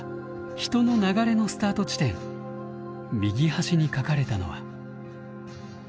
人の流れのスタート地点右端に描かれたのは。